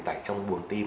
tại trong buồn tim